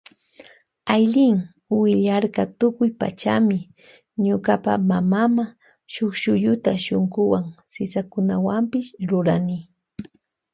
Aylin willarka tukuy pachami ñukapa mamama shuk shuyuta shunkuwan sisakunawanpash rurani.